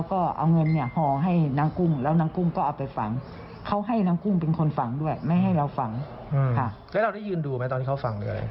ก็ให้เราได้ยืนดูไหมตอนที่เขาฝังด้วย